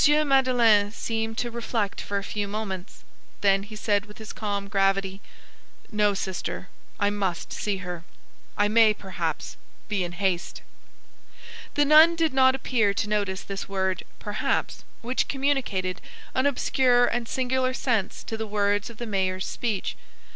Madeleine seemed to reflect for a few moments; then he said with his calm gravity:— "No, sister, I must see her. I may, perhaps, be in haste." The nun did not appear to notice this word "perhaps," which communicated an obscure and singular sense to the words of the mayor's speech.